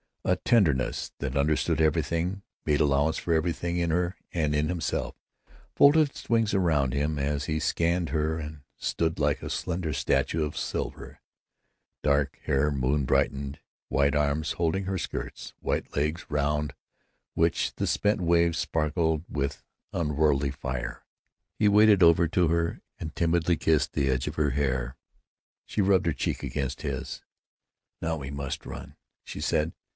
A tenderness that understood everything, made allowance for everything in her and in himself, folded its wings round him as he scanned her that stood like a slender statue of silver—dark hair moon brightened, white arms holding her skirts, white legs round which the spent waves sparkled with unworldly fire. He waded over to her and timidly kissed the edge of her hair. She rubbed her cheek against his. "Now we must run," she said.